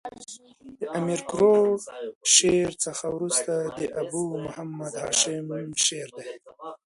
د امیر کروړ شعر څخه ورسته د ابو محمد هاشم شعر دﺉ.